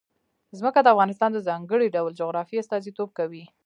ځمکه د افغانستان د ځانګړي ډول جغرافیه استازیتوب کوي.